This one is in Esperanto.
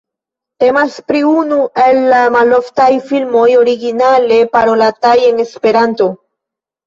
Temas pri unu el la maloftaj filmoj originale parolataj en Esperanto.